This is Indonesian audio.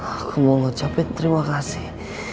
aku mau ngucapin terima kasih